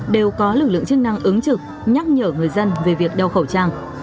đều có lực lượng chức năng ứng trực nhắc nhở người dân về việc đeo khẩu trang